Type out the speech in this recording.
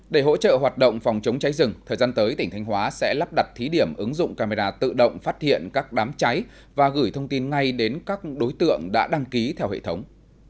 để hỗ trợ hoạt động phòng chống cháy rừng thời gian tới tỉnh thanh hóa sẽ lắp đặt thí điểm ứng dụng camera tự động phát hiện các đám cháy và gửi thông tin ngay đến các đối tượng đã đăng ký theo hệ thống